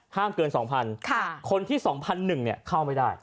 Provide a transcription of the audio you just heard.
ห้ามเกิน๒๐๐๐ค่ะคนที่๒๑๐๐เข้าไปได้